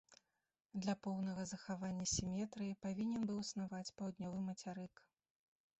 Для поўнага захавання сіметрыі павінен быў існаваць паўднёвы мацярык.